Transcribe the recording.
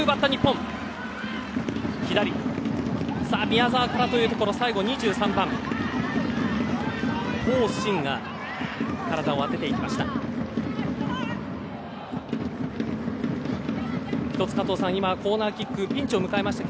宮澤からというところ最後、２３番コウ・シンが体を当てていきました。